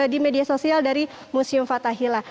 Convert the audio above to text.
di media sosial dari museum fathahila